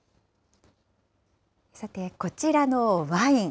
さて、こちらのワイン。